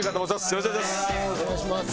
よろしくお願いします。